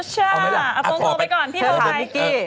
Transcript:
ช่าเอาโทรไปก่อนพี่โทรไป